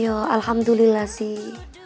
ya alhamdulillah sih